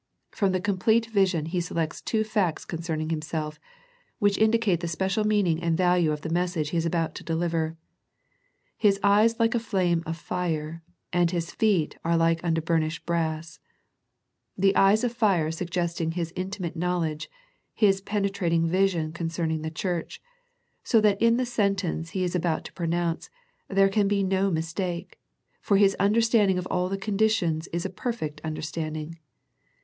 From the complete vision He selects two facts concerning Himself, which indicate the special meaning and value of the message He is about to deliver, " His eyes like a flame of fire, and His feet are like unto burn ished brass," the eyes of fire suggesting His in timate knowledge. His penetrating vision con cerning the church, so that in the sentence He is about to pronounce, there can be no mistake, for His understanding of all the conditions is a perfect understanding.